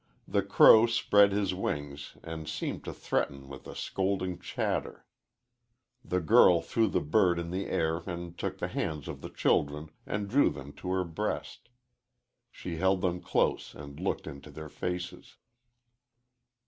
The crow spread his wings and seemed to threaten with a scolding chatter. The girl threw the bird in the air and took the hands of the children and drew them to her breast. She held them close and looked into their faces.